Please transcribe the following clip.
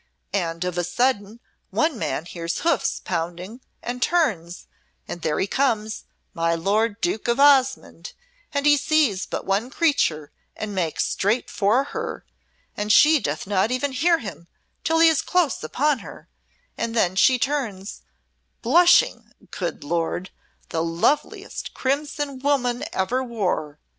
And of a sudden one man hears hoofs pounding and turns, and there he comes, my lord Duke of Osmonde, and he sees but one creature and makes straight for her and she doth not even hear him till he is close upon her, and then she turns blushing, good Lord! the loveliest crimson woman ever wore.